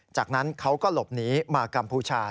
จากนั้นเขาก็หลบหนีมากัมพูชา